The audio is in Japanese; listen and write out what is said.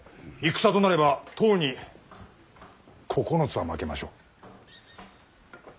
戦となれば十に九つは負けましょう。